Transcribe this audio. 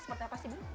seperti apa sih